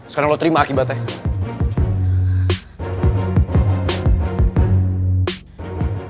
sekarang lo terima akibatnya